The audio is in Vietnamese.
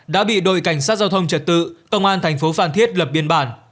đã bị đội cảnh sát giao thông trật tự công an thành phố phan thiết lập biên bản